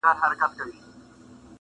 زه جوړ د يارۍ په تول پوره نه ووم